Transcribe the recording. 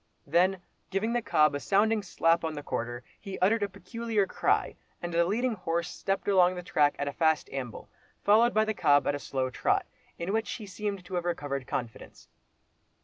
Then giving the cob a sounding slap on the quarter, he uttered a peculiar cry, and the leading horse stepped along the track at a fast amble, followed by the cob at a slow trot, in which he seemed to have recovered confidence.